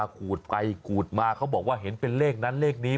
ขูดไปขูดมาเขาบอกว่าเห็นเป็นเลขนั้นเลขนี้